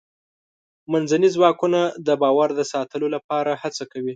منځني ځواکونه د باور د ساتلو لپاره هڅه کوي.